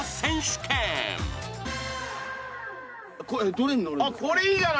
どれに乗るんですか？